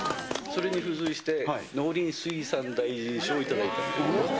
それに付随して、農林水産大臣賞を頂いた。